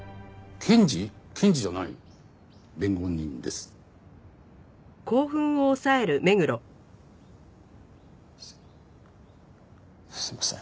すすいません。